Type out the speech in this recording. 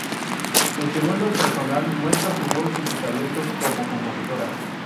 El segundo, "Personal", muestra su voz y su talento como compositora.